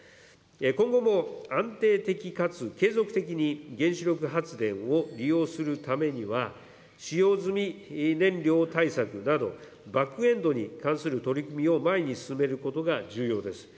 今後も安定的かつ継続的に原子力発電を利用するためには、使用済み燃料対策など、バックエンドに関する取り組みを前に進めることが重要です。